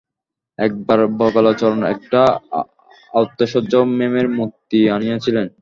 একবার বগলাচরণ একটা অত্যাশ্চর্য মেমের মূর্তি আনিয়াছিলেন।